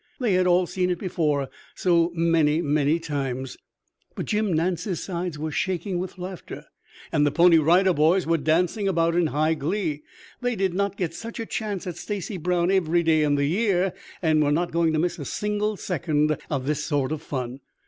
They had all seen it before so many, many times. But Jim Nance's sides were shaking with laughter, and the Pony Rider Boys were dancing about in high glee. They did not get such a chance at Stacy Brown every day in the year, and were not going to miss a single second of this sort of fun.